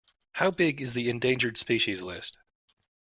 How big is the Endangered Species List?